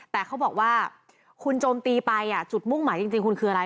แต่เขาบอกว่าคุณโจมตีไปจุดมุ่งหมายจริงคุณคืออะไร